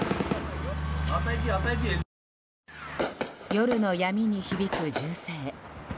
夜の闇に響く銃声。